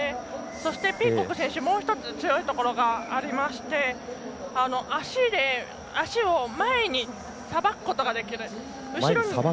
そして、ピーコック選手もう１つ強いところがありまして足を前にさばくことができる。